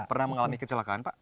pernah mengalami kecelakaan pak